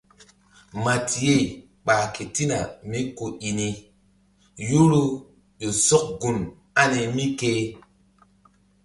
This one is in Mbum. Matiye ɓah ketina mí ku i ni yoro ƴo sɔk gun ani mí ke.